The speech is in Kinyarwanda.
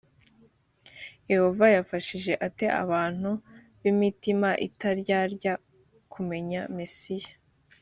yehova yafashije ate abantu b imitima itaryarya kumenya mesiya